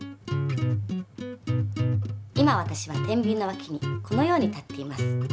今私はてんびんのわきにこのように立っています。